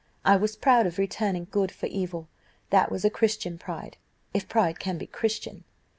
I was proud of returning good for evil; that was a Christian pride, if pride can be Christian.